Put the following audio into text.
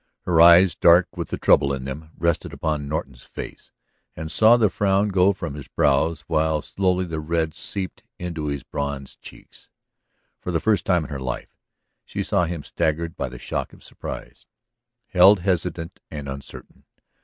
Her eyes, dark with the trouble in them, rested upon Norton's face and saw the frown go from his brows while slowly the red seeped into his bronzed cheeks. For the first time in her life she saw him staggered by the shock of surprise, held hesitant and uncertain.